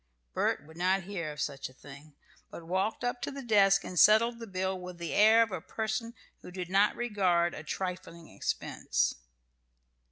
Bert would not hear of such a thing, but walked up to the desk and settled the bill with the air of a person who did not regard a trifling expense.